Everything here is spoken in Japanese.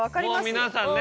皆さんね